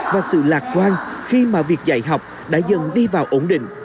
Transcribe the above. và sự lạc quan khi mà việc dạy học đã dần đi vào ổn định